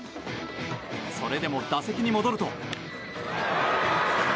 それでも打席に戻ると。